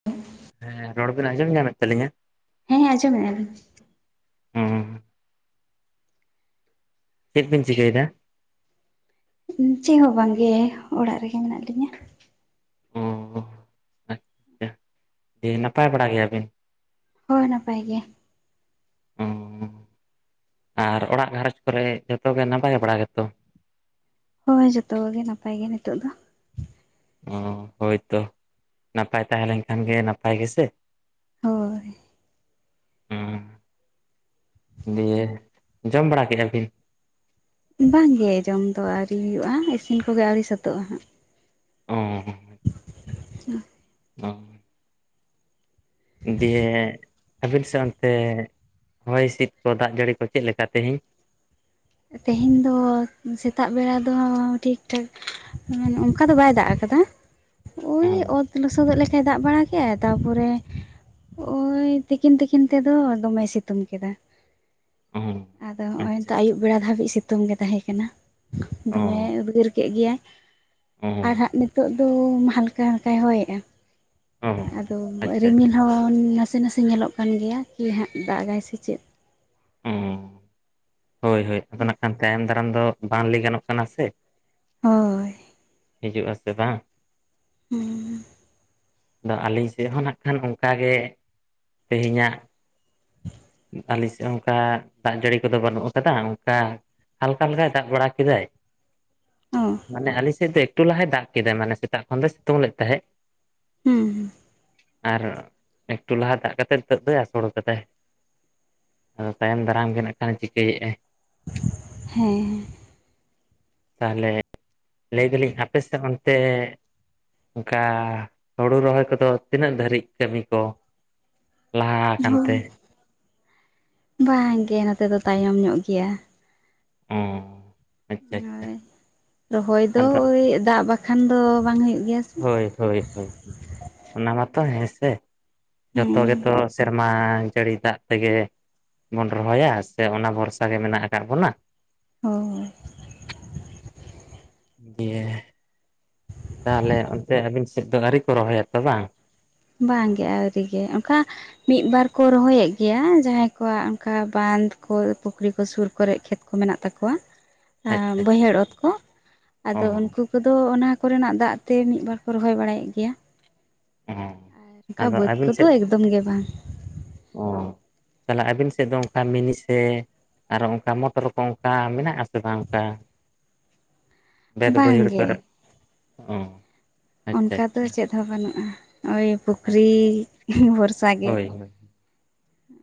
[unintelligible] ᱦᱮᱸ ᱨᱚᱲ ᱵᱮᱱ ᱟᱸᱡᱚᱢ ᱧᱟᱢᱮᱫ ᱛᱟᱞᱤᱧᱟ? ᱦᱮᱸ ᱟᱸᱢᱚᱢᱮᱜᱼᱟ ᱞᱤᱧ ᱾ ᱚ ᱪᱮᱫ ᱵᱤᱱ ᱪᱤᱠᱟᱹᱭᱮᱫᱟ? ᱪᱮᱫ ᱦᱚᱸ ᱵᱟᱝᱜᱮ ᱚᱲᱟᱜ ᱨᱮᱜᱮ ᱢᱮᱱᱟᱜ ᱞᱤᱧᱟᱹ᱾ ᱚ ᱟᱪᱪᱷᱟ ᱫᱤᱭᱟᱹ ᱱᱟᱯᱟᱭ ᱵᱟᱲᱟ ᱜᱮᱭᱟᱵᱤᱱ? ᱦᱳᱭ ᱱᱟᱯᱟᱭ ᱜᱮ᱾ ᱚ ᱟᱨ ᱚᱲᱟᱜ ᱜᱷᱟᱨᱚᱧᱡᱽ ᱠᱚᱨᱮ ᱡᱚᱛᱚ ᱜᱮ ᱱᱟᱯᱟᱭ ᱵᱟᱲᱟ ᱜᱮᱛᱚ? ᱦᱳᱭ ᱡᱚᱛᱚ ᱠᱚᱜᱮ ᱱᱟᱯᱟᱭ ᱜᱮ ᱱᱤᱛᱳᱜ ᱫᱚ᱾ ᱚ ᱦᱳᱭᱛᱚ ᱱᱟᱯᱟᱭ ᱛᱟᱦᱮᱸ ᱞᱮᱱᱠᱷᱟᱱ ᱜᱮ ᱱᱟᱯᱟᱭ ᱜᱮᱥᱮ᱾ ᱦᱳᱭ ᱾ ᱦᱚᱸ ᱫᱤᱭᱟᱹ ᱡᱚᱢ ᱵᱟᱲᱟ ᱠᱮᱫᱟ ᱵᱤᱱ? ᱵᱟᱝᱜᱮ ᱡᱚᱢ ᱫᱚ ᱟᱹᱣᱨᱤ ᱦᱩᱭᱩᱜᱼᱟ ᱤᱥᱤᱱ ᱠᱚᱜᱮ ᱟᱹᱣᱨᱤ ᱥᱟᱹᱛᱟᱹᱜᱼᱟ ᱦᱟᱸᱜ᱾ ᱚ ᱾ [unintelligible] ᱫᱤᱭᱟᱹ ᱟᱹᱵᱤᱱ ᱥᱮᱫ ᱚᱱᱛᱮ ᱦᱚᱭ ᱦᱤᱥᱤᱫ ᱠᱚ ᱫᱟᱜ ᱡᱟᱹᱲᱤ ᱠᱚ ᱪᱮᱫ ᱞᱮᱠᱟ ᱛᱮᱦᱮᱧ? ᱛᱮᱦᱮᱧ ᱫᱚ ᱥᱮᱛᱟᱜ ᱵᱮᱲᱟ ᱫᱚ ᱴᱷᱤᱠ ᱴᱷᱟᱠ ᱾ ᱚᱱᱠᱟ ᱫᱚ ᱵᱟᱭ ᱫᱟᱜ ᱟᱠᱟᱫᱟ ᱚ ᱳᱭ ᱚᱛ ᱞᱚᱥᱚᱫᱚᱜ ᱞᱮᱠᱟᱭ ᱫᱟᱜ ᱵᱟᱲᱟ ᱠᱮ ᱠᱮᱜᱼᱟᱭ ᱛᱟᱯᱚᱨᱮ ᱳᱭ ᱛᱤᱠᱤᱱ ᱛᱤᱠᱤᱱ ᱛᱮᱫᱚ ᱫᱚᱢᱮ ᱥᱤᱛᱩᱝ ᱠᱮᱫᱟ᱾ ᱚ ᱟᱫᱚ ᱱᱚᱜᱼᱚᱭ ᱟᱪᱪᱷᱟ ᱱᱤᱛᱚᱜ ᱟᱪᱪᱷᱟ ᱟᱹᱭᱩᱵ ᱵᱮᱲᱟ ᱫᱷᱟᱹᱵᱤᱡ ᱥᱤᱛᱩᱝ ᱜᱮ ᱛᱟᱦᱮᱸ ᱠᱟᱱᱟ ᱾ ᱚ ᱫᱚᱢᱮ ᱩᱫᱽᱜᱟᱹᱨ ᱠᱮᱜ ᱜᱮᱭᱟᱭ ᱾ ᱚ ᱾ ᱱᱤᱛᱚᱜ ᱫᱚ ᱦᱟᱞᱠᱟ ᱦᱟᱞᱠᱟᱭ ᱦᱚᱭᱮᱜᱼᱟ ᱚ ᱟᱫᱚ ᱟᱪᱪᱷᱟ ᱨᱤᱢᱤᱞ ᱟᱪᱪᱷᱟ ᱦᱚᱸ ᱱᱟᱥᱮ ᱱᱟᱥᱮ ᱧᱮᱞᱚᱜ ᱠᱟᱱ ᱜᱮᱭᱟ ᱠᱤ ᱦᱟᱸᱜ ᱫᱟᱜᱟᱭ ᱥᱮ ᱪᱮᱫ? ᱚ ᱦᱳᱭ ᱦᱳᱭ ᱟᱫᱚ ᱱᱟᱜ ᱠᱷᱟᱱ ᱛᱟᱭᱚᱢ ᱫᱟᱨᱟᱢ ᱫᱚ ᱵᱟᱝ ᱞᱟᱹᱭ ᱜᱟᱱᱚᱜ ᱠᱟᱱᱟ ᱥᱮ ᱦᱳᱭ ᱾ ᱦᱤᱡᱩᱜ ᱟᱥᱮ ᱵᱟᱝ ᱾ ᱦᱩᱸ ᱾ ᱟᱫᱚ ᱟᱹᱞᱤᱧ ᱥᱮᱫ ᱦᱚᱸ ᱱᱟᱜᱼᱠᱷᱟᱱ ᱚᱱᱠᱟᱜᱮ ᱛᱮᱦᱮᱧᱟᱜ ᱾ [unintelligible] ᱟᱞᱮ ᱥᱮᱫ ᱦᱚᱸ ᱚᱱᱠᱟ ᱫᱟᱜ ᱡᱟᱹᱲᱤ ᱠᱚᱫᱚ ᱵᱟᱹᱱᱩᱜ ᱟᱠᱟᱫᱟ, ᱚᱱᱠᱟ ᱦᱟᱞᱠᱟ ᱦᱟᱞᱠᱟᱭ ᱫᱟᱜ‌ ᱵᱟᱲᱟ ᱠᱮᱫᱟᱭ ᱾ ᱚ ᱢᱟᱱᱮ ᱟᱞᱮ ᱥᱮᱫ ᱫᱚ ᱮᱠᱴᱩ ᱞᱟᱦᱟᱭ ᱫᱟᱜ ᱠᱮᱫᱟᱭ ᱢᱟᱱᱮ ᱥᱮᱛᱟᱜ ᱠᱷᱚᱱ ᱫᱚᱭ ᱥᱤᱛᱩᱝ ᱞᱮᱫ ᱛᱟᱦᱮᱸᱜ ᱾ ᱦᱩᱸ ᱦᱩᱸ ᱾ ᱟᱨ ᱮᱠᱴᱩ ᱞᱟᱦᱟ ᱫᱟᱜ ᱠᱟᱛᱮᱜ ᱱᱤᱛᱚᱜ ᱫᱚᱭ ᱟᱥᱳᱲ ᱠᱟᱫᱟᱭ ᱾ ᱟᱫᱚ ᱛᱟᱭᱚᱢ ᱫᱟᱨᱟᱢ ᱜᱮ ᱱᱟᱸᱜ ᱠᱷᱟᱱᱮ ᱪᱤᱠᱟᱹᱭᱮᱫᱼᱟᱭ? ᱦᱮᱸᱻ ᱾ ᱛᱟᱦᱚᱞᱮ ᱞᱟᱹᱭ ᱫᱟᱞᱤᱧ ᱟᱯᱮ ᱥᱮᱫ ᱚᱱᱛᱮ ᱚᱱᱠᱟ ᱦᱳᱲᱳ ᱨᱚᱦᱚᱭ ᱠᱚᱫᱚ ᱛᱤᱱᱟᱹᱜ ᱫᱷᱟᱹᱨᱤᱡ ᱠᱟᱹᱢᱤ ᱠᱚ? ᱞᱟᱦᱟ ᱟᱠᱟᱱ ᱛᱮ ᱾ ᱵᱟᱝ ᱜᱮ ᱱᱚᱛᱮ ᱫᱚ ᱛᱟᱭᱚᱢ ᱧᱚᱜ ᱜᱮᱭᱟ ᱾ ᱚ ᱟᱪᱪᱷᱟ ᱟᱪᱪᱷᱟ ᱾ ᱦᱳᱭ ᱨᱚᱦᱚᱭ ᱫᱚ ᱳᱭ ᱫᱟᱜ ᱵᱟᱠᱷᱟᱱ ᱫᱚ ᱵᱟᱝ ᱦᱩᱭᱩᱜ ᱜᱮᱭᱟ ᱾ ᱦᱳᱭ ᱦᱳᱭ ᱚᱱᱟ ᱢᱟᱛᱚ ᱦᱮᱸ ᱥᱮ ᱡᱚᱛᱚ ᱦᱮᱸ ᱜᱮᱛᱚ ᱥᱮᱨ ᱢᱟ ᱡᱟᱹᱲᱤ ᱫᱟᱜ ᱛᱮᱜᱮ ᱵᱚᱱ ᱨᱚᱦᱚᱭᱟ ᱥᱮ ᱚᱱᱟ ᱵᱷᱚᱨᱥᱟ ᱜᱮ ᱢᱮᱱᱟᱜ ᱟᱠᱟᱫ ᱵᱚᱱᱟ? ᱦᱳᱭ ᱾ ᱫᱮ ᱛᱟᱦᱚᱞᱮ ᱚᱱᱛᱮ ᱟᱹᱵᱤᱱ ᱥᱮᱫ ᱫᱚ ᱟᱹᱣᱨᱤ ᱠᱚ ᱨᱚᱦᱚᱭᱟ ᱛᱚ ᱵᱟᱝ? ᱵᱟᱝ ᱜᱮ ᱟᱹᱣᱨᱤ ᱜᱮ, ᱚᱱᱠᱟ ᱢᱤᱫ ᱵᱟᱨ ᱠᱚ ᱨᱚᱦᱚᱭᱮᱫ ᱜᱮᱭᱟ ᱡᱟᱦᱟᱸᱭ ᱠᱚᱣᱟᱜ ᱚᱱᱠᱟ ᱵᱟᱸᱫ ᱠᱚ ᱯᱩᱠᱷᱨᱤ ᱠᱚ ᱥᱩᱨ ᱠᱚᱨᱮ ᱠᱷᱮᱛ ᱾ ᱠᱚ ᱢᱮᱱᱟᱜ ᱛᱟᱠᱚᱣᱟ ᱟ ᱟᱪᱪᱷᱟ ᱟᱪᱪᱷᱟ ᱵᱟᱹᱭᱦᱟᱹᱲ ᱟᱪᱪᱷᱟ ᱚᱛ ᱠᱚ, ᱚ ᱟᱫᱚ ᱩᱱᱠᱩ ᱩᱱᱠᱩ ᱫᱚ ᱚᱱᱟ ᱠᱚᱨᱮᱱᱟᱜ ᱫᱟᱜ ᱛᱮ ᱢᱤᱫ ᱵᱟᱨ ᱠᱚ ᱨᱚᱦᱚᱭ ᱵᱟᱲᱟᱭᱮᱫ ᱜᱮᱭᱟ ᱾ ᱚ ᱟᱨ ᱚᱱᱠᱟ ᱟᱫᱚ ᱵᱟᱹᱫᱽ ᱟᱹᱵᱤᱱ ᱠᱚᱫᱚ ᱥᱮᱫ ᱮᱠᱫᱚᱢ ᱜᱮ ᱵᱟᱝ ᱾ ᱚ, ᱛᱟᱦᱚᱞᱮ ᱟᱹᱵᱤᱱ ᱥᱮᱫ ᱫᱚ ᱚᱱᱠᱟ ᱢᱤᱱᱤ ᱥᱮ ᱟᱨᱚ ᱚᱱᱠᱟ ᱢᱚᱛ ᱨᱚᱠᱚᱢ ᱚᱱᱠᱟ ᱢᱮᱱᱟᱜ ᱟᱥᱮ ᱵᱟᱝ ᱚᱱᱠᱟ? [inaudible] ᱵᱮᱫ ᱵᱟᱹᱭᱦᱟᱹᱲ ᱵᱟᱝᱜᱮ ᱠᱚᱨᱮᱫ ᱾ ᱚ ᱾ ᱚᱱᱠᱟ ᱫᱚ ᱪᱮᱫ ᱦᱚᱸ ᱵᱟᱹᱱᱩᱜᱼᱟ ᱳᱭ ᱯᱩᱠᱷᱨᱤ ᱟᱪᱪᱷᱟ ᱟᱪᱪᱷᱟ ᱵᱷᱚᱨᱥ ᱦᱳᱭ ᱦᱳᱭ ᱾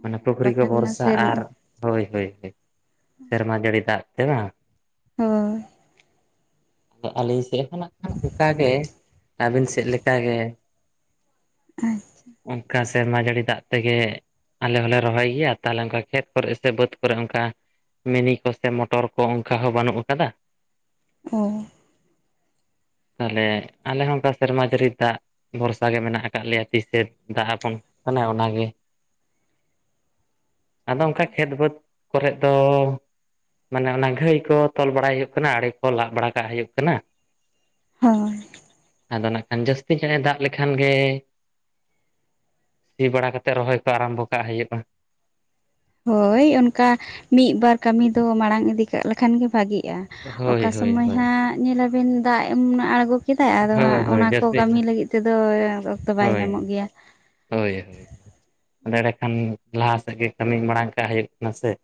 ᱢᱟᱱᱮ ᱟᱨ ᱯᱩᱠᱷᱨᱤ ᱠᱚ ᱵᱟᱠᱷᱟᱱ ᱵᱷᱚᱨᱥᱟ ᱱᱟᱥᱮ ᱟᱨ ᱦᱳᱭ ᱦᱳᱭ ᱦᱳᱭ, ᱥᱮᱨᱢᱟ ᱡᱟᱹᱲᱤ ᱫᱟᱜ ᱛᱮ ᱵᱟᱝ? ᱦᱳᱭ ᱾ ᱟᱹᱞᱤᱧ ᱥᱮᱫ ᱦᱚᱸ ᱱᱟᱜ ᱠᱷᱟᱱ ᱚᱱᱠᱟ ᱜᱮ ᱟᱹᱵᱤᱱ ᱥᱮᱫ ᱞᱮᱠᱟ ᱜᱮ ᱾ ᱟᱪᱪᱷᱟ ᱾ ᱚᱱᱠᱟ ᱥᱮᱨᱢᱟ ᱡᱟᱹᱲᱤ ᱫᱟᱜ ᱛᱮᱜᱮ ᱟᱞᱮ ᱦᱚᱸᱞᱮ ᱨᱚᱦᱚᱭ ᱜᱮᱭᱟ ᱛᱟᱦᱚᱞᱮ ᱚᱱᱠᱟ ᱠᱷᱮᱛ ᱠᱚᱨᱮ ᱥᱮ ᱵᱟᱹᱫᱽ ᱠᱚᱨᱮ ᱚᱱᱠᱟ ᱢᱤᱱᱤ ᱠᱚ ᱥᱮ ᱢᱚᱴᱚᱨ ᱠᱚ ᱚᱱᱠᱟ ᱦᱚᱸ ᱵᱟᱹᱱᱩᱜ ᱟᱠᱟᱫᱟ ᱾ ᱚ ᱾ ᱛᱟᱦᱚᱞᱮ ᱟᱞᱮ ᱦᱚᱸ ᱚᱱᱠᱟ ᱥᱮᱨᱢᱟ ᱡᱟᱹᱲᱤ ᱫᱟᱜ ᱵᱷᱚᱨᱥᱟ ᱜᱮ ᱢᱮᱱᱟᱜ ᱟᱠᱟᱫ ᱞᱮᱭᱟ ᱾ ᱛᱤᱥᱮ ᱫᱟᱜ ᱟᱵᱚᱱ ᱠᱟᱱᱟ ᱚᱱᱟᱜᱮ ᱾ ᱟᱫᱚ ᱚᱱᱠᱟ ᱠᱷᱮᱛ ᱵᱟᱹᱫᱽ ᱠᱚᱨᱮᱜ ᱫᱚ ᱢᱟᱱᱮ ᱚᱱᱟ ᱜᱷᱟᱹᱭ ᱠᱚ ᱛᱚᱞ ᱵᱟᱲᱟᱭ ᱦᱩᱭᱩᱜ ᱠᱟᱱᱟ, ᱟᱲᱮ ᱠᱚ ᱞᱟᱜ ᱵᱟᱲᱟ ᱠᱟᱜ ᱦᱩᱭᱩᱜ ᱠᱟᱱᱟ ᱾ ᱦᱚᱭ ᱾ ᱟᱫᱚ ᱱᱟᱜ ᱠᱷᱟᱱ ᱡᱟᱹᱥᱛᱤ ᱪᱟᱜ ᱮ ᱫᱟᱜ ᱞᱮᱠᱷᱟᱱ ᱜᱮ ᱥᱤ ᱵᱟᱲᱟ ᱠᱟᱛᱮ ᱨᱚᱦᱚᱭ ᱠᱚ ᱟᱨᱟᱢᱵᱚ ᱠᱟᱜ ᱦᱩᱭᱩᱜᱼᱟ ᱾ ᱦᱳᱭ ᱚᱱᱠᱟ ᱢᱤᱫ ᱵᱟᱨ ᱠᱟᱹᱢᱤ ᱫᱚ ᱢᱟᱲᱟᱝ ᱤᱫᱤ ᱠᱟᱜ ᱞᱮᱠᱷᱟᱱ ᱜᱮ ᱵᱷᱟᱜᱤᱜᱼᱟ ᱾ ᱦᱳᱭ ᱚᱠᱟ ᱦᱳᱭ ᱥᱚᱢᱚᱭ ᱦᱳᱭ ᱦᱟᱸᱜ ᱧᱮᱞᱟ ᱵᱤᱱ ᱫᱟᱜ ᱮᱢᱚᱱ ᱟᱬᱜᱚ ᱪᱮᱫᱟᱜ ᱟᱫᱚ ᱦᱟᱸᱜ ᱦᱳᱭ ᱚᱱᱟ ᱦᱳᱭ ᱠᱚ ᱡᱟᱹᱥᱛᱤ ᱠᱟᱹᱢᱤ ᱞᱟᱹᱜᱤᱫ ᱛᱮᱫᱚ ᱚᱠᱛᱚ ᱵᱟᱭ ᱦᱳᱭ ᱧᱟᱢᱚᱜ ᱜᱮᱭᱟ ᱾ ᱦᱳᱭ ᱦᱳᱭ ᱾ ᱮᱸᱰᱮ ᱠᱷᱟᱱ ᱞᱟᱦᱟ ᱥᱮᱫ ᱜᱮ ᱠᱟᱹᱢᱤ ᱢᱟᱲᱟᱝ ᱠᱟᱜ ᱦᱩᱭᱩᱜ ᱠᱟᱱᱟ ᱥᱮ ᱾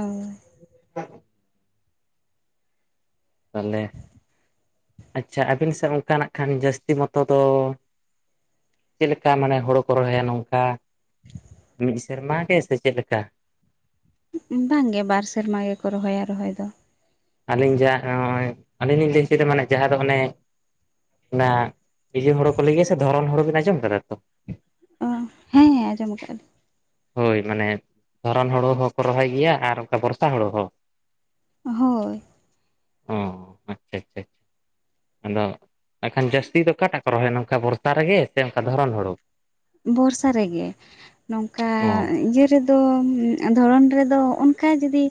ᱦᱳᱭ ᱾ [unintelligible] ᱛᱟᱦᱚᱞᱮ ᱟᱪᱪᱷᱟ ᱟᱹᱵᱤᱱ ᱥᱮᱫ ᱚᱱᱠᱟ ᱱᱟᱜᱼᱠᱷᱟᱱ ᱡᱟᱹᱥᱛᱤ ᱢᱚᱛᱚ ᱫᱚ ᱪᱮᱫᱞᱮᱠᱟ ᱢᱟᱱᱮ ᱦᱩᱲᱩ ᱠᱚ ᱨᱚᱦᱚᱭᱟ ᱱᱚᱝᱠᱟ ᱢᱤᱫ ᱥᱮᱨᱢᱟ ᱜᱮ ᱥᱮ ᱪᱮᱫᱞᱮᱠᱟ ᱾ ᱵᱟᱝ ᱜᱮ ᱵᱟᱨ ᱥᱮᱨᱢᱟ ᱜᱮᱠᱚ ᱨᱚᱦᱚᱭᱟ ᱨᱚᱦᱚᱭ ᱫᱚ ᱾ ᱟᱹᱞᱤᱧ ᱡᱟᱦᱟᱸ ᱱᱚᱜᱼᱚᱭ ᱟᱹᱞᱤᱧ ᱞᱤᱧ ᱞᱟᱹᱭ ᱦᱚᱪᱚᱭᱫᱟ ᱢᱟᱱᱮ ᱡᱟᱦᱟᱸ ᱫᱚ ᱚᱱᱮ ᱚᱱᱟ ᱤᱭᱟᱹ ᱦᱳᱲᱳ ᱠᱚ ᱞᱟᱹᱭᱜᱮᱭᱟ ᱥᱮ ᱫᱷᱚᱨᱚᱱ ᱦᱳᱲᱳ ᱵᱤᱱ ᱟᱸᱡᱚᱢ ᱟᱠᱟᱫᱟ ᱛᱚ ᱦᱮᱸ ᱦᱮᱸ ᱟᱡᱚᱢ ᱟᱠᱟᱫᱟ ᱞᱤᱧ ᱦᱳᱭ ᱢᱟᱱᱮ ᱫᱷᱚᱨᱚᱱ ᱦᱩᱲᱩ ᱦᱚᱸᱠᱚ ᱨᱚᱦᱚᱭ ᱜᱮᱭᱟ ᱟᱨ ᱚᱱᱠᱟ ᱵᱚᱨᱥᱟ ᱦᱩᱲᱩ ᱦᱚᱸ ᱦᱳᱭ ᱚ ᱟᱪᱪᱷᱟ ᱟᱪᱪᱷᱟ ᱟᱫᱚ ᱮᱱᱠᱷᱟᱱ ᱡᱟᱹᱥᱛᱤ ᱫᱚ ᱚᱠᱟᱴᱟᱜ ᱠᱚ ᱨᱚᱦᱚᱭᱱᱟ ᱱᱚᱝᱠᱟ ᱵᱚᱨᱥᱟ ᱨᱮᱜᱮ ᱥᱮ ᱚᱱᱠᱟ ᱫᱷᱚᱨᱚᱱ ᱦᱩᱲᱩ ᱵᱚᱨᱥᱟ ᱨᱮᱜᱮ ᱱᱚᱝᱠᱟ ᱚ ᱤᱭᱟᱹ ᱨᱮᱫᱚ ᱫᱷᱚᱨᱚᱱ ᱨᱮᱫᱚ ᱚᱱᱠᱟ ᱡᱩᱫᱤ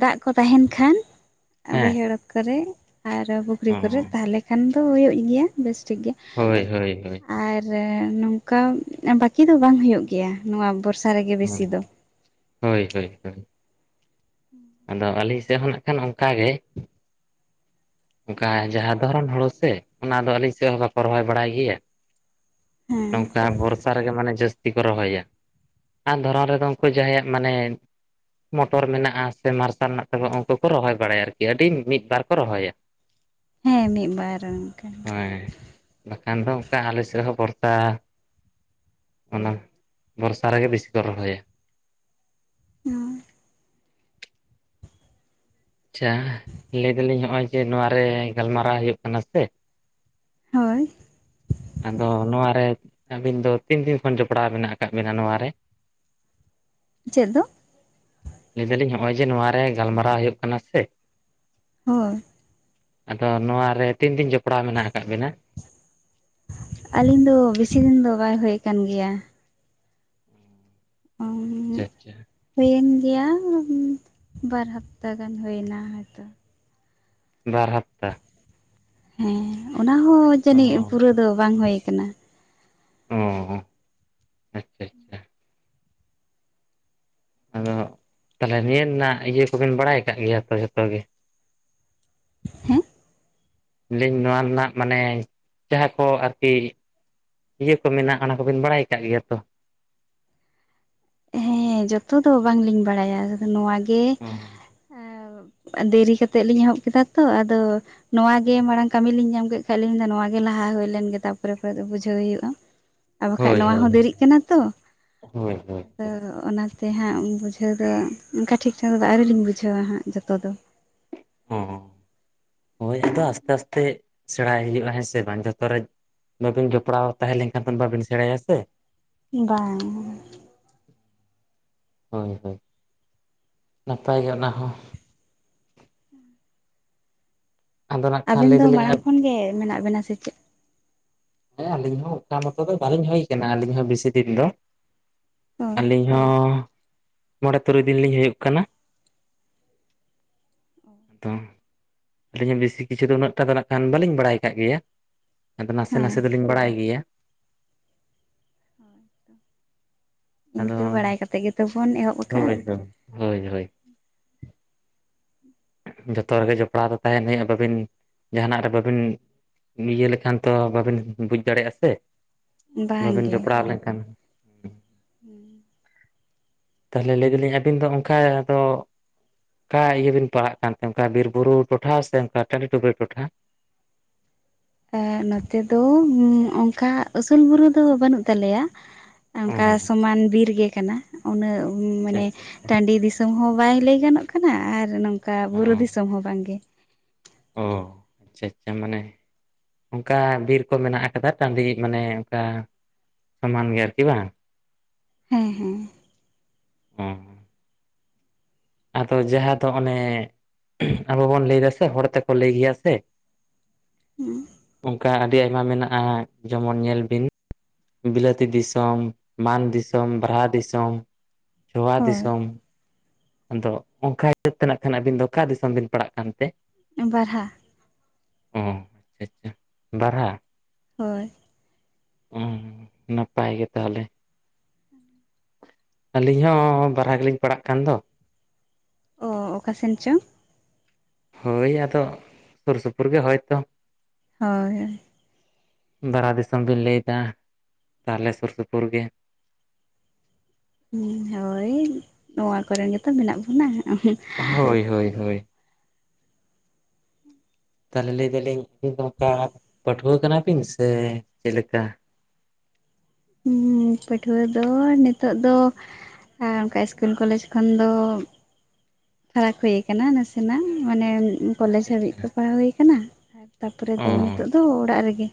ᱫᱟᱜ ᱠᱚ ᱛᱟᱦᱮᱱ ᱠᱷᱟᱱ ᱦᱮᱸ ᱵᱟᱹᱭᱦᱟᱹᱲ ᱠᱚᱨᱮ ᱟᱨ ᱯᱩᱠᱷᱨᱤ ᱚ ᱠᱚᱨᱮ ᱛᱟᱦᱚᱞᱮ ᱠᱷᱟᱱ ᱫᱚ ᱦᱩᱭᱩᱜ ᱜᱮᱭᱟ ᱵᱮᱥ ᱴᱷᱤᱠ ᱜᱮ ᱦᱳᱭ ᱦᱳᱭ ᱦᱳᱭ ᱟᱨ ᱱᱚᱝᱠᱟ ᱵᱟᱹᱠᱤ ᱫᱚ ᱵᱟᱝ ᱦᱩᱭᱩᱜ ᱜᱮᱭᱟ ᱱᱚᱣᱟ ᱵᱚᱨᱥᱟ ᱨᱮᱜᱮ ᱵᱤᱥᱤ ᱫᱚ ᱦᱩᱸ ᱦᱳᱭ ᱦᱳᱭ ᱦᱳᱭ [unintelligible] ᱟᱫᱚ ᱟᱹᱞᱤᱧ ᱥᱮᱫ ᱦᱚᱸ ᱱᱟᱜ ᱠᱷᱟᱱ ᱚᱱᱠᱟᱜ ᱜᱮ ᱚᱱᱠᱟ ᱡᱟᱦᱟᱸ ᱫᱷᱚᱨᱚᱱ ᱦᱩᱲᱳ ᱥᱮ ᱚᱱᱟ ᱫᱚ ᱟᱹᱞᱤᱧ ᱥᱮᱫ ᱦᱚᱸ ᱵᱟᱠᱚ ᱨᱚᱦᱚᱭ ᱵᱟᱲᱟᱭ ᱜᱮᱭᱟ [unintelligible] ᱦᱮᱸ ᱱᱚᱝᱠᱟ ᱵᱚᱨᱥᱟ ᱨᱮᱜᱮ ᱢᱟᱱᱮ ᱡᱟᱹᱥᱛᱤ ᱠᱚ ᱨᱚᱦᱚᱭᱟ ᱟᱨ ᱫᱷᱚᱨᱚᱱ ᱨᱮᱫᱚ ᱩᱱᱠᱩ ᱡᱟᱦᱟᱸᱭᱟᱜ ᱢᱟᱱᱮ ᱢᱚᱴᱚᱨ ᱢᱮᱱᱟᱜᱼᱟ ᱾ ᱥᱮ ᱢᱟᱨᱥᱟᱞ ᱦᱮᱱᱟᱜ ᱛᱟᱠᱚᱣᱟ ᱩᱱᱠᱩ ᱠᱚ ᱨᱚᱦᱚᱭ ᱵᱟᱲᱟᱭᱟ ᱟᱨᱠᱤ ᱟᱹᱰᱤ ᱢᱤᱫ ᱵᱟᱨ ᱠᱚ ᱨᱚᱦᱚᱭᱟ ᱦᱮᱸ ᱢᱤᱫ ᱵᱟᱨ ᱚᱱᱠᱟ ᱦᱳᱭ ᱵᱟᱠᱷᱟᱱ ᱫᱚ ᱚᱱᱠᱟ ᱟᱞᱮᱥᱮᱫ ᱨᱮᱦᱚᱸ ᱵᱷᱚᱨᱥᱟ ᱚᱱᱟ ᱵᱚᱨᱥᱟ ᱨᱮᱜᱮ ᱵᱤᱥᱤ ᱠᱚ ᱨᱚᱦᱚᱭᱟ [unintelligible] ᱟᱪᱪᱷᱟ ᱞᱟᱹᱭ ᱫᱟᱞᱤᱧ ᱱᱚᱜᱼᱚᱭ ᱡᱮ ᱱᱚᱣᱟᱨᱮ ᱜᱟᱞᱢᱟᱨᱟᱣ ᱦᱩᱭᱩᱜ ᱠᱟᱱᱟ ᱥᱮ ᱦᱳᱭ ᱟᱫᱚ ᱱᱚᱣᱟᱨᱮ ᱟᱹᱵᱤᱱ ᱫᱚ ᱛᱤᱱ ᱫᱤᱱ ᱠᱷᱚᱱ ᱡᱚᱯᱲᱟᱣ ᱢᱮᱱᱟᱜ ᱟᱠᱟᱫ ᱵᱤᱱᱟ ᱱᱚᱣᱟ ᱨᱮ ᱪᱮᱫ ᱫᱚ ᱞᱟᱹᱭ ᱫᱟᱞᱤᱧ ᱱᱚᱜᱼᱚᱭ ᱡᱮ ᱱᱚᱣᱟᱨᱮ ᱜᱟᱞᱢᱟᱨᱟᱣ ᱦᱩᱭᱩᱜ ᱠᱟᱱᱟ ᱥᱮ ᱦᱳᱭ ᱟᱫᱚ ᱱᱚᱣᱟ ᱨᱮ ᱛᱤᱱ ᱫᱤᱱ ᱡᱚᱯᱲᱟᱣ ᱢᱮᱱᱟᱜ ᱟᱠᱟᱫ ᱵᱤᱱᱟ ᱟᱹᱞᱤᱧ ᱫᱚ ᱵᱮᱥᱤ ᱫᱤᱱ ᱫᱚ ᱵᱟᱭ ᱦᱳᱭ ᱟᱠᱟᱱ ᱜᱮᱭᱟ [unintelligible] ᱟᱪᱪᱷᱟ ᱟᱪᱷᱟ ᱦᱩᱭᱮᱱ ᱜᱮᱭᱟ ᱵᱟᱨ ᱦᱟᱯᱛᱟ ᱜᱟᱱ ᱦᱩᱭᱮ ᱮᱱᱟ ᱦᱚᱭᱛᱚ ᱵᱟᱨ ᱦᱟᱯᱛᱟ ᱦᱮᱸ ᱚᱱᱟ ᱦᱚᱸ ᱚ ᱡᱟᱹᱱᱤᱡ ᱯᱩᱨᱟᱹ ᱫᱚ ᱵᱟᱝ ᱦᱩᱭᱩ ᱟᱠᱟᱱᱟ ᱚ ᱟᱪᱪᱷᱟ ᱟᱪᱪᱷᱟ ᱟᱫᱚ ᱛᱟᱦᱚᱞᱮ ᱱᱤᱭᱟᱹ ᱨᱮᱱᱟᱜ ᱤᱭᱟᱹ ᱠᱚᱵᱮᱱ ᱵᱟᱲᱟᱭ ᱟᱠᱟᱟᱜ ᱜᱮᱭᱟ ᱛᱚ ᱡᱷᱚᱛᱚ ᱜᱮ ᱦᱮᱸ [inaudible] ᱱᱚᱣᱟ ᱨᱮᱱᱟᱜ ᱢᱟᱱᱮ ᱡᱟᱦᱟᱸ ᱠᱚ ᱟᱨᱠᱤ ᱤᱭᱟᱹ ᱠᱚ ᱢᱮᱱᱟᱜ ᱚᱱᱟ ᱠᱚᱵᱤᱱ ᱵᱟᱲᱟᱭ ᱟᱠᱟᱫ ᱜᱮᱭᱟ ᱛᱚ ᱦᱮᱸ ᱡᱚᱛᱚ ᱫᱚ ᱵᱟᱝᱞᱤᱧ ᱵᱟᱲᱟᱭᱟ ᱱᱚ ᱜᱮ ᱫᱮᱨᱤ ᱠᱟᱛᱮᱫ ᱞᱤᱧ ᱮᱦᱚᱵ ᱠᱮᱫᱟ ᱛᱚ ᱟᱫᱚ ᱱᱚᱣᱟ ᱜᱮ ᱢᱟᱲᱟᱝ ᱠᱟᱹᱢᱤ ᱞᱤᱧ ᱧᱟᱢ ᱠᱮᱫ ᱠᱷᱟᱡ ᱞᱤᱧ ᱢᱮᱱᱫᱟ ᱱᱚ ᱜᱮ ᱞᱟᱦᱟ ᱦᱩᱭᱞᱮᱱ ᱜᱮ ᱛᱟᱯᱚᱨᱮ ᱫᱚ ᱵᱩᱡᱷᱟᱹᱣ ᱦᱩᱭᱩᱜᱼᱟ ᱟᱨ ᱵᱟᱠᱷᱷᱟᱡ ᱦᱳᱭ ᱱᱚᱣᱟ ᱦᱳᱭ ᱦᱚᱸ ᱫᱮᱨᱤᱜ ᱠᱟᱱᱟ ᱛᱚ ᱦᱳᱭ ᱦᱳᱭ ᱟᱫᱚ ᱚᱱᱟᱛᱮ ᱦᱟᱸᱜ ᱵᱩᱡᱷᱟᱹᱣ ᱫᱚ ᱚᱱᱠᱟ ᱴᱷᱤᱠ ᱴᱷᱟᱠ ᱫᱚ ᱟᱹᱣᱨᱤ ᱞᱤᱧ ᱵᱩᱡᱷᱟᱹᱣᱟ ᱦᱟᱸᱜ ᱡᱚᱛᱚ ᱫᱚ ᱦᱚᱸ [inaudible] ᱦᱳᱭ ᱟᱫᱚ ᱟᱥᱛᱮ ᱟᱥᱛᱮ ᱥᱮᱬᱟᱭ ᱦᱩᱭᱩᱜᱼᱟ ᱦᱮᱸ ᱥᱮ ᱵᱟᱝ ᱡᱚᱛᱚ ᱨᱮ ᱵᱟᱹᱵᱤᱱ ᱡᱚᱯᱲᱟᱣ ᱛᱟᱦᱮᱸ ᱞᱮᱱᱠᱷᱟᱱ ᱫᱚ ᱵᱟᱵᱮᱱ ᱥᱮᱬᱟᱭᱟ ᱥᱮ ᱵᱟᱝ ᱦᱳᱭ ᱦᱳᱭ ᱱᱟᱯᱟᱭ ᱜᱮ ᱚᱱᱟ ᱦᱚᱸ ᱟᱫᱚ ᱱᱟᱜ ᱠᱷᱟᱱ ᱟᱵᱮᱱ ᱞᱟᱹᱭ ᱫᱚ ᱫᱟᱞᱤᱧ ᱢᱟᱲᱟᱝ ᱦᱮᱸ ᱠᱷᱚᱱ ᱜᱮ ᱢᱮᱱᱟᱜ ᱵᱮᱱᱟ ᱥᱮ ᱪᱮᱫ ᱦᱮᱸ ᱟᱹᱞᱤᱧ ᱦᱚᱸ ᱚᱝᱠᱟ ᱢᱚᱛᱚ ᱫᱚ ᱵᱟᱹᱞᱤᱧ ᱦᱳᱭ ᱠᱟᱱᱟ ᱟᱹᱞᱤᱧ ᱦᱚᱸ ᱵᱮᱥᱤ ᱫᱤᱱ ᱫᱚ ᱦᱳᱭ ᱟᱹᱞᱤᱧ ᱦᱸ ᱢᱚᱬᱮ ᱛᱩᱨᱩᱭ ᱫᱤᱱ ᱞᱤᱧ ᱦᱩᱭᱩᱜ ᱠᱟᱱᱟ᱾ ᱟᱫᱚ ᱟᱹᱞᱤᱧ ᱦᱚ ᱵᱮᱥᱤ ᱠᱤᱪᱷᱩ ᱫᱚ ᱩᱱᱟᱹᱜ ᱴᱟ ᱫᱚ ᱱᱟᱹᱜ ᱠᱷᱟᱱ ᱵᱟᱹᱞᱤᱧ ᱵᱟᱲᱟᱭ ᱠᱟᱜ ᱜᱮᱭᱟ ᱟᱫᱚ ᱱᱟᱥᱮ ᱦᱮᱸ ᱱᱟᱥᱮ ᱫᱚᱞᱤᱧ ᱵᱟᱲᱟᱭ ᱜᱮᱭᱟ ᱤᱱᱠᱟᱹ ᱵᱟᱲᱟᱭ ᱠᱟᱛᱮ ᱜᱮᱛᱚ ᱵᱚᱱ ᱮᱦᱚᱵ ᱟᱠᱟᱜᱼᱟ ᱛᱚᱵᱮ ᱛᱚ ᱦᱳᱭ ᱦᱳᱭ ᱡᱚᱛᱚᱭᱟᱜ ᱨᱮᱜᱮ ᱡᱚᱯᱲᱟᱣ ᱫᱚ ᱛᱟᱦᱮᱱ ᱦᱚᱭᱚᱜᱼᱟ ᱵᱟᱹᱵᱤᱱ ᱡᱟᱦᱟᱱᱟᱜ ᱨᱮ ᱵᱟᱹᱵᱤᱱ ᱤᱭᱟᱹ ᱞᱮᱠᱷᱟᱱ ᱛᱚ ᱵᱟᱵᱮᱱ ᱵᱩᱡᱽ ᱫᱟᱲᱮᱜᱼᱟ ᱥᱮ ᱵᱟᱝ ᱵᱟᱹᱵᱮᱱ ᱡᱚᱯᱲᱟᱣ ᱞᱮᱱᱠᱷᱟᱱ ᱦᱩᱸ ᱛᱟᱞᱦᱮ ᱞᱟᱹᱭ ᱫᱟᱞᱤᱧ ᱟᱹᱵᱤᱱ ᱫᱚ ᱚᱱᱠᱟ ᱫᱚ ᱚᱠᱟ ᱤᱭᱟᱹ ᱵᱤᱱ ᱯᱟᱲᱟᱜ ᱠᱟᱱᱛᱮ ᱚᱱᱠᱟ ᱵᱤᱨ ᱵᱩᱨᱩ ᱴᱚᱴᱷᱟ ᱥᱮ ᱚᱱᱠᱟ ᱴᱟᱺᱰᱤ ᱴᱩᱯᱤ ᱴᱚᱴᱷᱟ ᱱᱚᱛᱮ ᱫᱚ ᱚᱝᱠᱟ ᱩᱥᱩᱞ ᱵᱩᱨᱩ ᱫᱚ ᱵᱟᱹᱱᱩᱜ ᱛᱟᱞᱮᱭᱟ ᱚ ᱚᱝᱠᱟ ᱥᱚᱢᱟᱱ ᱵᱤᱨᱜᱮ ᱠᱟᱱᱟ ᱩᱱᱟᱹᱜ ᱟᱪᱪᱷᱟ ᱢᱟᱱᱮ ᱟᱪᱪᱷᱟ ᱟᱪᱪᱷᱟ ᱴᱟᱺᱰᱤ ᱫᱤᱥ ᱫᱤᱥᱚᱢ ᱦᱚᱸ ᱵᱟᱭ ᱞᱟᱹᱭ ᱜᱟᱱᱚᱜ ᱠᱟᱱᱟ ᱟᱨ ᱱᱚᱝᱠᱟ ᱵᱩᱨᱩ ᱫᱤᱥᱚᱢ ᱦᱚᱸ ᱵᱟᱝᱜᱮ ᱚ ᱟᱪᱪᱷᱟ ᱟᱪᱪᱷᱟ ᱢᱟᱱᱮ ᱚᱝᱠᱟ ᱵᱤᱨ ᱠᱚ ᱢᱮᱱᱟᱜ ᱟᱠᱟᱫᱟ ᱴᱟᱺᱰᱤ ᱢᱟᱱᱮ ᱚᱝᱠᱟ ᱥᱚᱢᱟᱱ ᱜᱮ ᱟᱨᱠᱤ ᱵᱟᱝ ᱦᱮᱸ ᱦᱮᱸ ᱦᱸ ᱟᱫᱚ ᱡᱟᱦᱟ‌ ᱫᱚ ᱚᱱᱮ ᱟᱵᱚ ᱵᱚᱱ ᱞᱟᱹᱭ ᱫᱟᱥᱮ ᱦᱚᱲ ᱛᱮᱠᱚ ᱞᱟᱹᱭ ᱜᱮᱭᱟ ᱥᱮ ᱚᱝᱠᱟ ᱟᱹᱰᱤ ᱟᱭᱢᱟ ᱢᱮᱱᱟᱜᱼᱟ ᱡᱚᱢᱚᱱ ᱧᱮᱞ ᱵᱤᱱ ᱵᱤᱞᱟᱹᱛᱤ ᱫᱤᱥᱚᱢ ᱢᱟᱱ ᱫᱤᱥᱚᱢ ᱵᱟᱨᱦᱟ ᱫᱤᱥᱚᱢ ᱪᱚᱣᱟ ᱦᱳᱭ ᱫᱤᱥᱚᱢ ᱟᱫᱚ ᱚᱝᱠᱟ ᱦᱤᱥᱟᱹᱵ ᱛᱮ ᱱᱟᱹᱜ ᱠᱷᱟᱱ ᱟᱹᱵᱤᱱ ᱫᱚ ᱚᱠᱟ ᱫᱤᱥᱚᱢ ᱵᱤᱱ ᱯᱟᱲᱟᱜ ᱠᱟᱱᱛᱮ? ᱵᱟᱨᱦᱟ ᱚ ᱟᱪᱪᱷᱟ ᱟᱪᱪᱷᱟ ᱫᱟᱨᱦᱟ ᱦᱳᱭ ᱚᱸ ᱱᱟᱯᱟᱭ ᱜᱮ ᱛᱟᱦᱟᱞᱮ ᱟᱹᱞᱤᱧ ᱦᱚᱸ ᱵᱟᱨᱦᱟ ᱜᱤᱞᱤᱧ ᱯᱟᱲᱟᱜ ᱠᱟᱱ ᱫᱚ ᱚᱻ ᱚᱠᱟ ᱥᱮᱱ ᱪᱚ ᱦᱳᱭ ᱟᱫᱚ ᱥᱩᱨ ᱥᱩᱯᱩᱨ ᱜᱮ ᱦᱳᱭᱛᱚ ᱦᱳᱭ ᱦᱳᱭ ᱵᱟᱨᱦᱟ ᱫᱤᱥᱚᱢ ᱵᱮᱱ ᱞᱟᱹᱭᱮᱫᱟ ᱛᱟᱦᱚᱞᱮ ᱥᱩᱨ ᱥᱩᱯᱩᱨ ᱜᱮ ᱦᱳᱭ ᱱᱚᱣᱟ ᱠᱚᱨᱮᱱ ᱜᱮᱛᱚ ᱢᱮᱱᱟᱜ ᱵᱚᱱᱟ ᱦᱳᱭ ᱦᱳᱭ ᱦᱳᱭ ᱛᱟᱞᱦᱮ ᱞᱟᱹᱭ ᱮ ᱫᱟᱞᱤᱧ [unintelligible] ᱫᱚ ᱠᱟ ᱯᱟᱹᱴᱷᱩᱣᱟᱹ ᱠᱟᱱᱟᱵᱤᱱ ᱥᱮ ᱪᱮᱞᱮ ᱞᱮᱠᱟ ᱦᱩᱸ ᱯᱟᱹᱴᱷᱩᱣᱟᱹ ᱫᱚ ᱱᱤᱛᱚᱜ ᱫᱚ ᱦᱮᱸ ᱚᱱᱠᱟ ᱤᱥᱠᱩᱞ ᱠᱚᱞᱮᱡᱽ ᱠᱷᱚᱱ ᱫᱚ ᱯᱷᱟᱨᱟᱠ ᱦᱩᱭ ᱠᱟᱱᱟ ᱱᱟᱥᱮᱱᱟᱜ ᱢᱟᱱᱮ ᱠᱚᱞᱮᱡᱽ ᱟᱪᱪᱷᱟ ᱦᱟᱹᱵᱤᱡ ᱟᱪᱪᱷᱟ ᱠᱚ ᱯᱟᱲᱦᱟᱣ ᱦᱩᱭ ᱠᱟᱱᱟ ᱛᱟᱯᱚᱨᱮ ᱚ ᱫᱚ ᱱᱤᱛᱚᱜ ᱫᱚ ᱚᱲᱟᱜ ᱨᱮᱜᱮ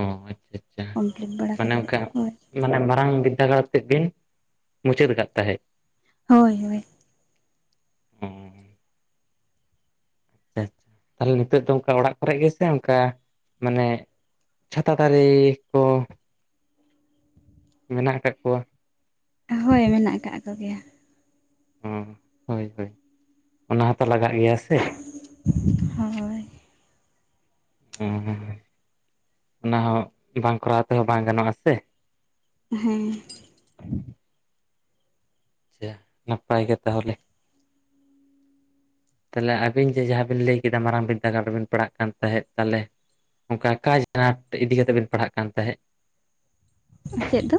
ᱚ ᱟᱪᱪᱷᱟ ᱟᱪᱪᱷᱟ ᱠᱚᱢᱯᱞᱤᱴ ᱵᱟᱲᱟ ᱢᱟᱱᱮ ᱠᱟᱛᱮᱫ ᱚᱱᱠᱟ ᱦᱳᱭ ᱢᱟᱱᱮ ᱢᱟᱨᱟᱝ ᱵᱤᱫᱽᱫᱟᱹᱜᱟᱲ ᱛᱮᱫ ᱵᱤᱱ ᱢᱩᱪᱟᱹᱫ ᱟᱠᱟᱫ ᱛᱟᱦᱮᱸᱫ ᱦᱳᱭ ᱦᱳᱭ ᱚ ᱛᱟᱦᱚᱞᱮ ᱱᱤᱛᱚᱜ ᱫᱚ ᱚᱱᱠᱟ ᱚᱲᱟᱜ ᱠᱚᱨᱮ ᱜᱮᱥᱮ ᱚᱱᱠᱟ ᱢᱟᱱᱮ ᱪᱷᱟᱛᱟ ᱫᱟᱨᱮ ᱠᱚ ᱢᱮᱱᱟᱜ ᱟᱠᱟᱫ ᱠᱚᱣᱟ ᱦᱳᱭ ᱢᱮᱱᱟᱜ ᱟᱠᱟᱫ ᱠᱚᱜᱮᱭᱟ ᱦᱚᱸ ᱦᱳᱭ ᱦᱳᱭ ᱚᱱᱟ ᱦᱚᱸᱛᱚ ᱞᱟᱜᱟᱜ ᱜᱮᱭᱟ ᱥᱮ ᱦᱳᱭ ᱦᱳᱭ ᱦᱚᱸᱦᱚᱸ ᱚᱱᱟ ᱦᱚᱸ ᱵᱟᱝ ᱠᱚᱨᱟᱣ ᱛᱮᱦᱚᱸ ᱵᱟᱝ ᱜᱟᱱᱚᱜᱼᱟ ᱥᱮ ᱦᱮᱸ ᱟᱪᱷᱟ ᱱᱟᱯᱟᱭ ᱜᱮ ᱛᱟᱦᱚᱞᱮ ᱛᱟᱦᱚᱞᱮ ᱟᱵᱤᱱ ᱡᱮ ᱡᱟᱦᱟᱸ ᱵᱤᱱ ᱞᱟᱹᱭ ᱠᱮᱫᱟ ᱢᱟᱨᱟᱝ ᱵᱤᱫᱽᱫᱟᱹᱜᱟᱲ ᱨᱮᱵᱤᱱ ᱯᱟᱲᱦᱟᱜ ᱠᱟᱱ ᱛᱟᱦᱮᱸᱫ ᱛᱟᱦᱚᱞᱮ ᱚᱱᱠᱟ ᱟᱠᱟ [unintelligible] ᱤᱫᱤ ᱠᱟᱛᱮᱜ ᱵᱮᱱ ᱯᱟᱲᱦᱟᱜ ᱠᱟᱱ ᱛᱟᱦᱮᱸ ᱪᱮᱫ ᱫᱚ?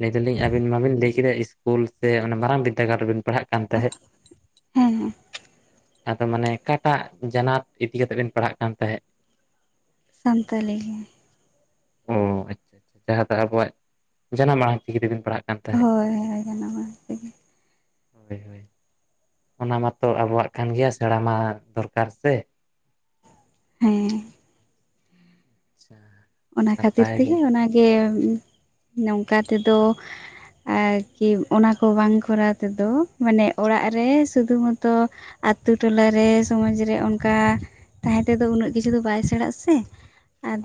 ᱞᱟᱹᱭ ᱫᱟᱞᱤᱧ ᱟᱵᱤᱱ ᱢᱟᱵᱤᱱ ᱞᱟᱹᱭ ᱠᱮᱫᱟ ᱤᱥᱠᱩᱞ ᱥᱮ ᱚᱱᱟ ᱢᱟᱨᱟᱝ ᱵᱤᱫᱽᱫᱟᱹᱜᱟᱲ ᱨᱮᱵᱤᱱ ᱯᱟᱲᱦᱟᱜ ᱠᱟᱱ ᱛᱟᱦᱮᱸ ᱦᱮᱸ ᱦᱮᱸ ᱟᱫᱚ ᱢᱟᱱᱮ ᱚᱠᱟᱴᱟᱜ ᱡᱟᱱᱟᱛ ᱤᱫᱤ ᱠᱟᱛᱮᱜ ᱵᱮᱱ ᱯᱟᱲᱦᱟᱜ ᱠᱟᱱ ᱛᱟᱦᱮᱸᱫ? ᱥᱟᱱᱛᱟᱞᱤ ᱜᱮ ᱚᱻ ᱟᱪᱪᱷᱟ ᱟᱪᱪᱷᱟ ᱡᱟᱦᱟᱸ ᱫᱚ ᱟᱵᱚᱣᱟᱜ ᱡᱟᱱᱟᱢ ᱟᱲᱟᱝ ᱪᱤᱠᱤ ᱛᱮᱵᱮᱱ ᱯᱟᱲᱦᱟᱜ ᱠᱟᱱ ᱛᱟᱦᱮᱸᱫ ᱦᱳᱭ ᱦᱳᱭ ᱡᱟᱱᱟᱢ ᱟᱲᱟᱝ ᱛᱮᱜᱮ ᱦᱳᱭ ᱦᱳᱭ ᱚᱱᱟ ᱢᱟᱛᱚ ᱟᱵᱚᱣᱟᱜ ᱠᱟᱱ ᱜᱮᱭᱟ ᱥᱮᱬᱟ ᱢᱟ ᱫᱚᱨᱠᱟᱨ ᱥᱮ ᱦᱮᱸ ᱟᱪᱪᱷᱟ ᱚᱱᱟ ᱠᱷᱟᱹᱛᱤᱨ ᱱᱟᱯᱟᱭ ᱜᱮ ᱛᱮᱜᱮ ᱚᱱᱟᱜᱮ ᱱᱚᱝᱠᱟ ᱛᱮᱫᱚ ᱟᱨ ᱠᱤ ᱚᱱᱟ ᱠᱚ ᱵᱟᱝ ᱠᱚᱨᱟᱣ ᱛᱮᱫᱚ ᱢᱟᱱᱮ ᱚᱲᱟᱜ ᱨᱮ ᱥᱩᱫᱷᱩ ᱢᱚᱛᱚ ᱟᱛᱩ ᱴᱚᱞᱟᱨᱮ ᱥᱚᱢᱟᱡ ᱨᱮ ᱚᱱᱠᱟ ᱛᱟᱦᱮᱸ ᱛᱮᱫᱚ ᱩᱱᱟᱹᱜ ᱠᱤᱪᱷᱩ ᱫᱚ ᱵᱟᱭ ᱥᱮᱬᱟᱜ-ᱟ ᱥᱮ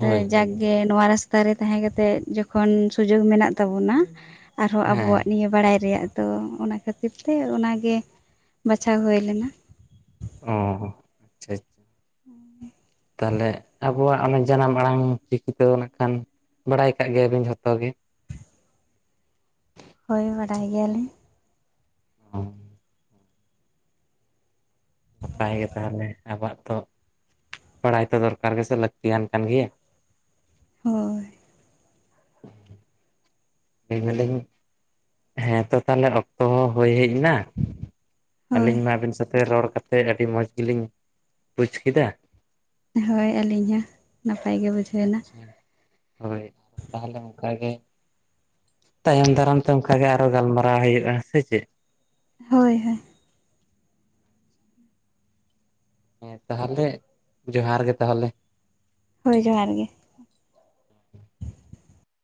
ᱦᱳᱭ ᱦᱳᱭ ᱦᱮᱸ ᱱᱚᱣᱟ ᱨᱟᱥᱛᱟ ᱨᱮ ᱛᱟᱦᱮᱸ ᱠᱟᱛᱮᱜ ᱡᱚᱠᱷᱚᱱ ᱥᱩᱡᱩᱜ ᱢᱮᱱᱟᱜ ᱛᱟᱵᱚᱱᱟ ᱟᱨᱦᱚᱸ ᱟᱵᱚᱣᱟᱜ ᱦᱮᱸ ᱱᱤᱭᱟᱹ ᱵᱟᱲᱟᱭ ᱨᱮᱭᱟᱜ ᱛᱚ ᱚᱱᱟ ᱠᱷᱟᱹᱛᱤᱨ ᱛᱮ ᱚᱱᱟᱜᱮ ᱵᱟᱪᱷᱟᱣ ᱦᱩᱭ ᱞᱮᱱᱟ ᱚ ᱟᱪᱪᱷᱟ [inaudible] ᱛᱟᱦᱚᱞᱮ ᱟᱵᱚᱣᱟᱜ ᱚᱱᱟ ᱡᱟᱱᱟᱢ ᱟᱲᱟᱝ ᱪᱤᱠᱤᱛᱚ ᱱᱟᱦᱟᱜ ᱠᱷᱟᱱ ᱵᱟᱰᱟᱭ ᱟᱠᱟᱜ ᱜᱮᱭᱟᱵᱤᱱ ᱡᱷᱚᱛᱚ ᱜᱮ ᱦᱳᱭ ᱵᱟᱰᱟᱭ ᱜᱮᱭᱟᱞᱤᱧ ᱦᱚᱸ ᱱᱟᱯᱟᱭ ᱜᱮ ᱛᱟᱦᱚᱞᱮ ᱟᱵᱚᱣᱟᱜ ᱛᱚᱜ ᱵᱟᱲᱟᱭ ᱛᱚ ᱫᱚᱨᱠᱟᱨ ᱜᱮᱥᱮ ᱞᱟᱹᱠᱛᱤᱭᱟᱱ ᱠᱟᱱ ᱜᱮᱭᱟ ᱦᱳᱭ [inaudible] ᱞᱟᱹᱭ ᱫᱟᱹᱞᱤᱧ ᱦᱮᱸ ᱛᱚ ᱛᱟᱦᱚᱞᱮ ᱚᱠᱛᱚ ᱦᱚᱸ ᱦᱩᱭ ᱦᱮᱡ ᱮᱱᱟ ᱦᱳᱭ ᱟᱹᱞᱤᱧ ᱢᱟ ᱟᱹᱵᱤᱱ ᱥᱟᱶᱛᱮ ᱨᱚᱲᱠᱟᱛᱮᱫ ᱟᱹᱰᱤ ᱢᱚᱡᱽ ᱜᱮᱞᱤᱧ ᱵᱩᱡᱽ ᱠᱮᱫᱟ ᱦᱳᱭ ᱟᱹᱞᱤᱧ ᱦᱚᱸ ᱱᱟᱯᱟᱭ ᱜᱮ ᱵᱩᱡᱷᱟᱹᱣ ᱮᱱᱟ ᱟᱪᱪᱷᱟ ᱦᱳᱭ ᱛᱟᱦᱚᱞᱮ ᱚᱱᱠᱟ ᱜᱮ ᱛᱟᱭᱚᱢ ᱫᱟᱨᱟᱢ ᱛᱮ ᱚᱱᱠᱟ ᱜᱮ ᱟᱨᱦᱚᱸ ᱜᱟᱞᱢᱟᱨᱟᱣ ᱦᱩᱭᱩᱜᱼᱟ, ᱥᱮ ᱪᱮᱫ? ᱦᱳᱭ ᱦᱳᱭ ᱦᱮᱸ ᱛᱟᱦᱚᱞᱮ ᱡᱚᱦᱟᱨ ᱜᱮ ᱛᱟᱦᱚᱞᱮ ᱦᱳᱭ ᱡᱚᱦᱟᱨ ᱜᱮ